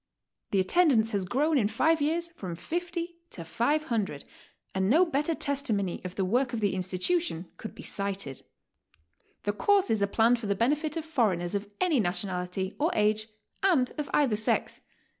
The attendance has grown in five years from 50 to 500, and no better testimony of the work of the institution could be cited. The courses are planned for the benefit of foreigners of any nationality or age and of either sex.